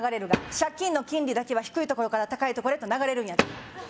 「借金の金利だけは低いところから高いところへと流れるんやで」